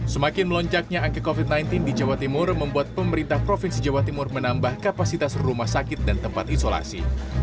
semakin melonjaknya angka covid sembilan belas di jawa timur membuat pemerintah provinsi jawa timur menambah kapasitas rumah sakit dan tempat isolasi